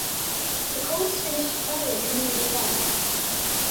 The Colts finished play at Community Park.